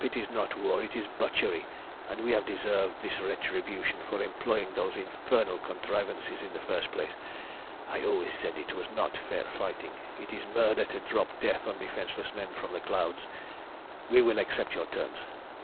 It is not war, it is butchery, and we have deserved this retribution for employing those infernal contrivances in the first place. I always said it was not fair fighting. It is murder to drop death on defenceless men from the clouds. We will accept your terms.